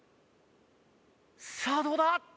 さあどうだ？